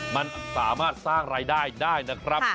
มันสามารถสร้างรายได้ได้นะครับ